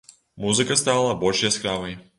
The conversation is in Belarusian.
Музыка стала больш яскравай.